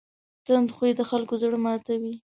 تند خوی د خلکو زړه ماتوي.